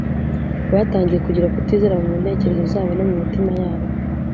batangiye kugira kutizera mu ntekerezo zabo no mu mitima yabo